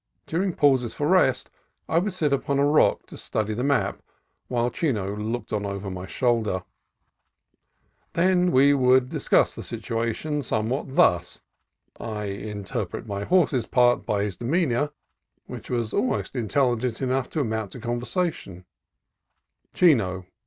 During pauses for rest I would sit on a rock to study the map while Chino looked on over my shoulder. Then we would discuss the situation somewhat thus (I inter pret my horse's part by his demeanor, which was al most intelligent enough to amount to conversation) : Chino.